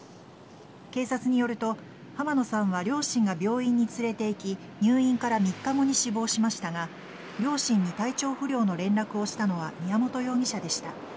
警察によると、濱野さんは両親が病院に連れて行き入院から３日後に死亡しましたが両親に体調不良の連絡をしたのは宮本容疑者でした。